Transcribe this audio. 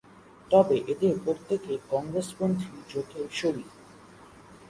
তবে এদের প্রত্যেকে কংগ্রেস পন্থী জোটের শরিক।